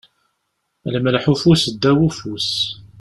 Lemleḥ ufus ddaw ufus.